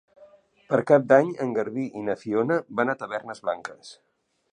Per Cap d'Any en Garbí i na Fiona van a Tavernes Blanques.